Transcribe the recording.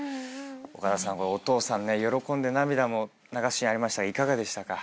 岡田さんお父さん喜んで涙も流すシーンありましたがいかがでしたか？